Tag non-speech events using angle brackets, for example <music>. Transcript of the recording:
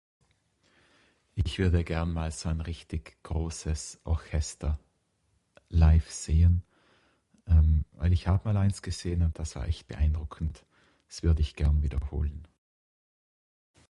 Ich würde gern mal son richtig großes Orchester live sehen <hesitation> ich hab mal eins gesehen und das war echt beeindruckend, das würd ich gern wiederholen.